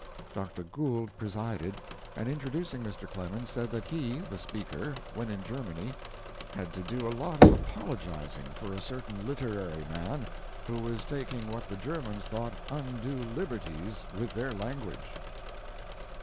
Doctor Gould presided, and in introducing Mr. Clemens said that he (the speaker), when in Germany, had to do a lot of apologizing for a certain literary man who was taking what the Germans thought undue liberties with their language.